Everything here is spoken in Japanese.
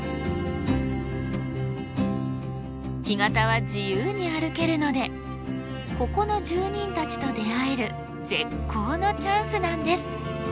干潟は自由に歩けるのでここの住人たちと出会える絶好のチャンスなんです。